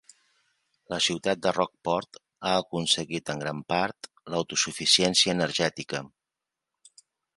La ciutat de Rock Port ha aconseguit en gran part l'autosuficiència energètica.